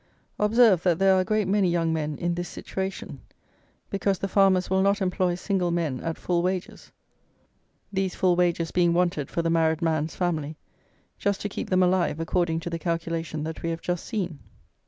Observe that there are a great many young men in this situation, because the farmers will not employ single men at full wages, these full wages being wanted for the married man's family, just to keep them alive according to the calculation that we have just seen.